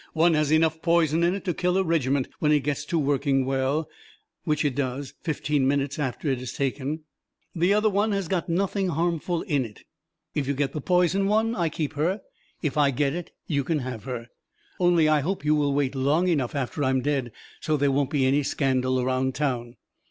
One has enough poison in it to kill a regiment when it gets to working well which it does fifteen minutes after it is taken. The other one has got nothing harmful in it. If you get the poison one, I keep her. If I get it, you can have her. Only I hope you will wait long enough after I'm dead so there won't be any scandal around town."